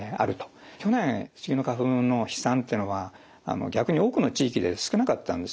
去年スギの花粉の飛散というのは逆に多くの地域で少なかったんですね。